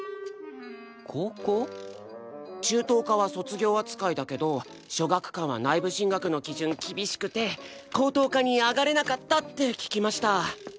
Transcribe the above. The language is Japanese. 中等科は卒業扱いだけど曙學館は内部進学の基準厳しくて高等科に上がれなかったって聞きました。